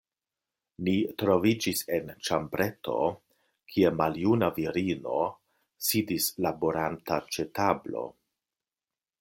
Ni troviĝis en ĉambreto, kie maljuna virino sidis laboranta ĉe tablo.